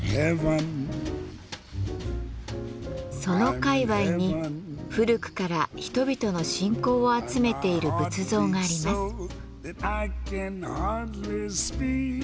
その界わいに古くから人々の信仰を集めている仏像があります。